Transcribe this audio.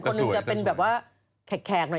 คนหนึ่งจะเป็นแบบว่าแขกหน่อย